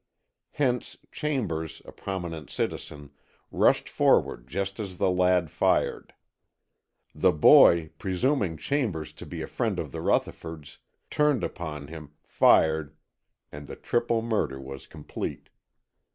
Hence Chambers, a prominent citizen, rushed forward just as the lad fired. The boy, presuming Chambers to be a friend of the Rutherfords, turned upon him, fired, and the triple murder was complete.